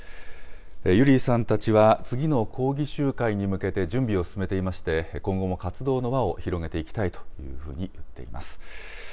ユリーさんたちは、次の抗議集会に向けて準備を進めていまして、今後も活動の輪を広げていきたいというふうに言っています。